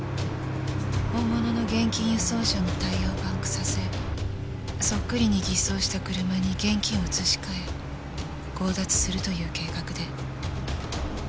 本物の現金輸送車のタイヤをパンクさせそっくりに偽装した車に現金を移し替え強奪するという計画で。